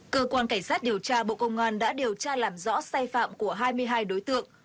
cơ quan cảnh sát điều tra bộ công an đã điều tra làm rõ sai phạm của hai mươi hai đối tượng